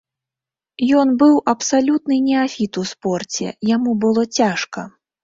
Ён быў абсалютны неафіт у спорце, яму было цяжка.